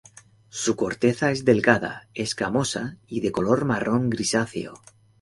Su corteza es delgada, escamosa, y de color marrón grisáceo.